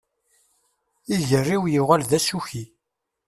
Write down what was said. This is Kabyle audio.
Iger-iw yuɣal d asuki.